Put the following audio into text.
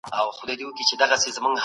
د علمي او تحقيقي اثارو مستند کول مهم دي.